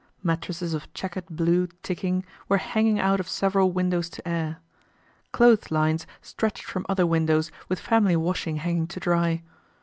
Mattresses of checkered blue ticking were hanging out of several windows to air. Clothes lines stretched from other windows with family washing hanging to dry.